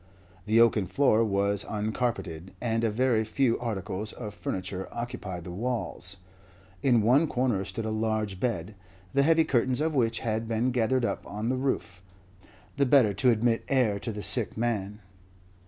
The oaken floor was uncarpeted, and a very few articles of furniture occupied the walls. In one corner stood a large bed, the heavy curtains of which had been gathered up on the roof, the better to admit air to the sick man.